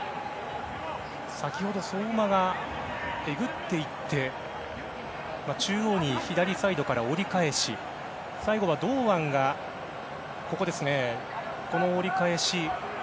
先ほど、相馬がえぐっていって中央に左サイドから折り返し最後は堂安がここですね、この折り返し。